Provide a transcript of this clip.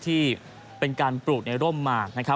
ที่เป็นการปลูกในร่มมาก